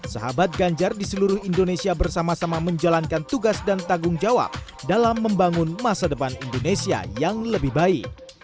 sahabat ganjar di seluruh indonesia bersama sama menjalankan tugas dan tanggung jawab dalam membangun masa depan indonesia yang lebih baik